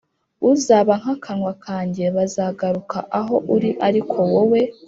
uzaba nk akanwa kanjye Bazagaruka aho uri ariko wowe